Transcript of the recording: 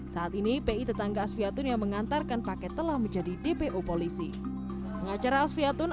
saat ini pi tetangga asviatun yang mengantarkan paket telah menjadi dpo polisi pengacara alviatun